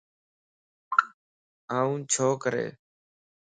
آ ڇو ڪري؟